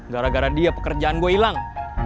gara gara dia pekerjaan gue hilang